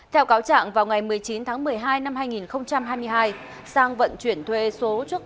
theo cáo trạng vào ngày một mươi chín tháng một mươi hai năm hai nghìn hai mươi hai sang vận chuyển thuê số trước